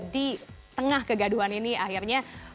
di tengah kegaduhan ini akhirnya